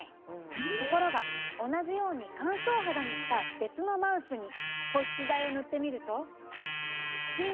ところが同じように乾燥肌にした別のマウスに保湿剤を塗ってみると。